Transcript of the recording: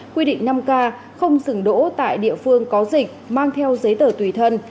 quy định năm k không dừng đỗ tại địa phương có dịch mang theo giấy tờ tùy thân